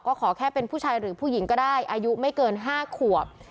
ก็ขอแค่เป็นผู้ชายหรือผู้หญิงก็ได้อายุไม่เกิน๕ขวบ